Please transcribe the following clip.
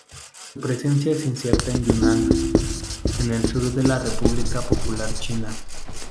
Su presencia es incierta en Yunnan, en el sur de la República Popular China.